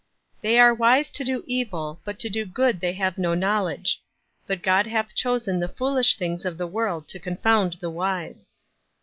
TLey arc wise to do evil, but to do good the}' have no knowl edge." —" But God hath chosen the foolish things of the world to confound the wise."